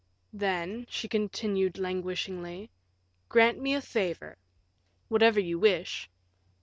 "Then," she continued, languishingly, "grant me a favor." "Whatever you wish."